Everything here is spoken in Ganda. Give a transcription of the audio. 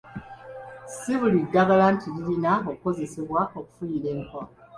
Si buli ddagala nti lirina okukozesebwa okufuuyira enkwa.